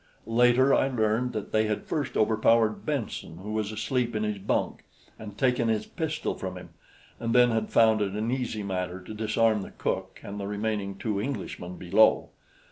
Later I learned that they had first overpowered Benson, who was asleep in his bunk, and taken his pistol from him, and then had found it an easy matter to disarm the cook and the remaining two Englishmen below.